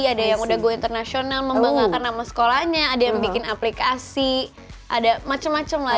ada yang udah go internasional membanggakan nama sekolahnya ada yang bikin aplikasi ada macem macem lah